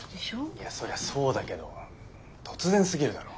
いやそりゃそうだけど突然すぎるだろ。